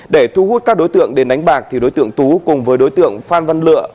để thu hút các đối tượng đến đánh bạc thì đối tượng tú cùng với đối tượng phan văn lựa